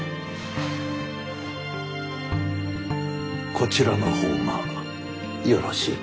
こちらの方がよろしいかと。